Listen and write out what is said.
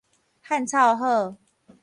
漢草好